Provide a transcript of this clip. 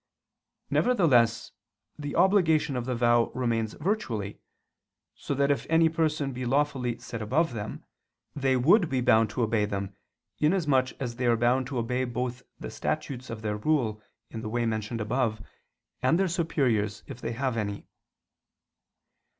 Nevertheless the obligation of the vow remains virtually, so that if any person be lawfully set above them, they would be bound to obey them, inasmuch as they are bound to obey both the statutes of their rule in the way mentioned above, and their superiors if they have any.